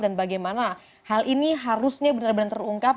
dan bagaimana hal ini harusnya benar benar terungkap